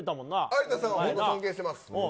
有田さんは本当尊敬してます。